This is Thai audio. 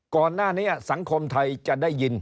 ก่อนหน้านี้สังคมไทยจะได้ยิน